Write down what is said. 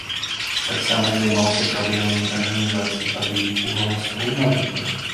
Таксама займаўся праблемамі арганізацыі падліку галасоў на выбарах.